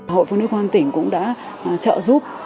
hội phụ nữ quang tỉnh cũng đã trợ giúp